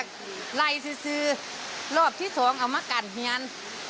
รอบแรกไลสูตม์ที่สองเอามาก่านเฮียน